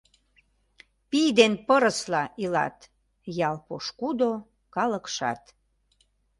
Пий ден пырысла илат ял пошкудо, калыкшат.